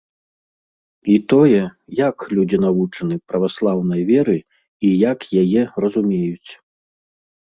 І тое, як людзі навучаны праваслаўнай веры і як яе разумеюць.